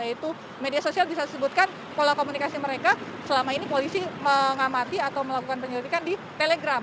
yaitu media sosial bisa disebutkan pola komunikasi mereka selama ini polisi mengamati atau melakukan penyelidikan di telegram